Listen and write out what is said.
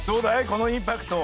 このインパクト。